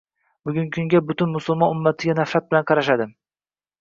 Bugungi kunda butun musulmon ummatiga nafrat bilan qarashadi